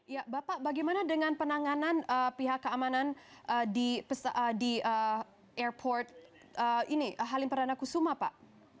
ya bapak bagaimana dengan penanganan pihak keamanan di airport halim perdana kusuma pak